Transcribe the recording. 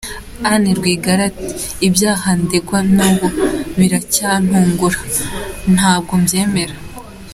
Anne Rwigara at “ibyaha ndegwa n’ubu biracyantungura ,ntabwo mbyemera.”